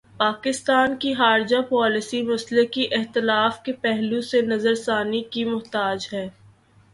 پاکستان کی خارجہ پالیسی مسلکی اختلاف کے پہلو سے نظر ثانی کی محتاج ہے۔